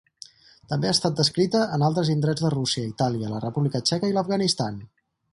També ha estat descrita en altres indrets de Rússia, Itàlia, la República Txeca i l'Afganistan.